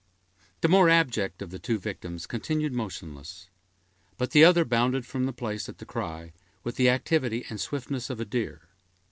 The more abject of the two victims continued motionless; but the other bounded from the place at the cry, with the activity and swiftness of a deer.